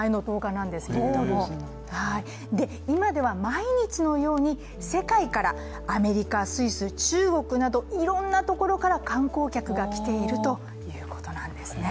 今では、毎日のように世界からアメリカ、スイス、中国などいろんなところから観光客が来ているということなんですね。